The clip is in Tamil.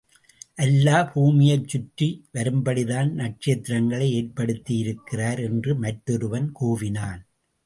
அல்லா, பூமியைச்சுற்றி வரும்படிதான் நட்சத்திரங்களை ஏற்படுத்தியிருக்கிறார் என்று மற்றொருவன் கூவினான்.